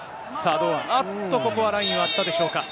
あっと、ここはラインを割ったでしょうか。